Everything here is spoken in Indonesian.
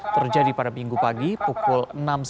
terjadi pada minggu pagi pukul enam sore